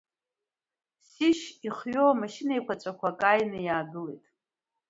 Сишь, ихҩоу машьына еиқәаҵәак ааины иаангылеит!